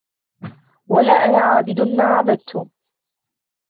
ولا أنا عابد ما عبدتم